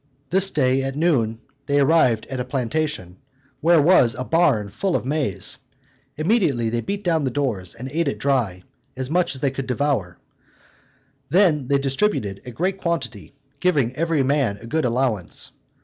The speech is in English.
This day at noon they arrived at a plantation, where was a barn full of maize. Immediately they beat down the doors and ate it dry, as much as they could devour; then they distributed a great quantity, giving every man a good allowance.